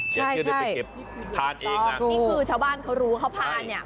อยากเลือกไปเก็บผ่านเองชาวบ้านเขารู้เขาผ่านเนี่ย